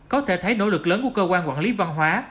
có thể thấy nỗ lực lớn của cơ quan quản lý văn hóa